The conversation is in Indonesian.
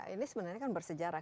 ini sebenarnya kan bersejarah